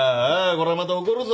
こらまた怒るぞ。